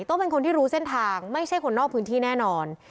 ต้องเป็นคนที่รู้เส้นทางไม่ใช่คนนอกพื้นที่แน่นอน